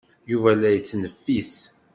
Yuba la yettneffis.